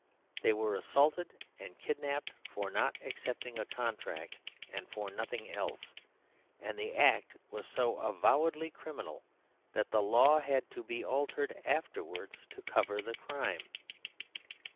They were assaulted and kidnapped for not accepting a contract, and for nothing else; and the act was so avowedly criminal that the law had to be altered afterwards to cover the crime.